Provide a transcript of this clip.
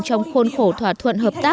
trong khuôn khổ thỏa thuận